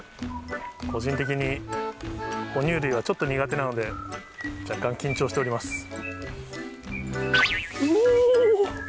個人的に、哺乳類はちょっと苦手なので、若干緊張しております。